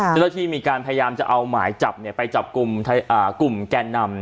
เมื่อที่มีการพยายามจะเอาหมายจับเนี่ยไปจับกลุ่มแก่นำ